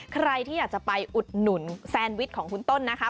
ใครที่อยากจะไปอุดหนุนแซนวิชของคุณต้นนะคะ